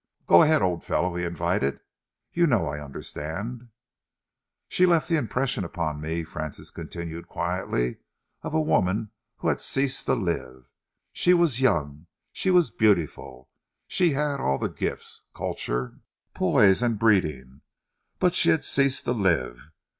"Go ahead, old fellow," he invited. "You know I understand." "She left the impression upon me," Francis continued quietly, "of a woman who had ceased to live. She was young, she was beautiful, she had all the gifts culture, poise and breeding but she had ceased to live.